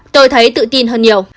tôi thấy tự tin hơn nhiều